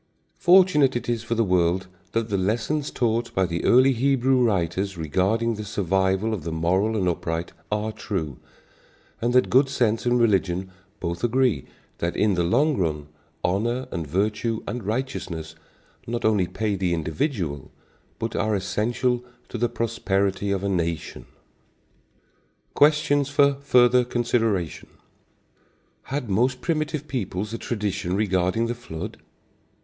Fortunate it is for the world that the lessons taught by the early Hebrew writers regarding the survival of the moral and upright are true, and that good sense and religion both agree that in the long run, honor and virtue and righteousness not only pay the individual, but are essential to the prosperity of a nation. Questions for Further Consideration. Had most primitive peoples a tradition regarding the flood?